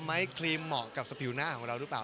ครีมเหมาะกับสปิวหน้าของเราหรือเปล่า